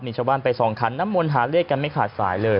มีชาวบ้านไปส่องขันน้ำมนต์หาเลขกันไม่ขาดสายเลย